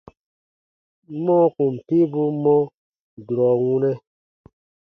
Mɔɔ kùn piibuu mɔ durɔ wunɛ: